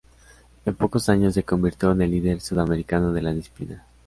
En pocos años, se convirtió en el líder sudamericano de la disciplina.